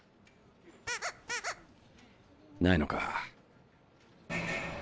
ないのか。